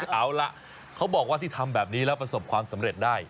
เอาล่ะเขาบอกว่าที่ทำแบบนี้แล้วประสบความสำเร็จได้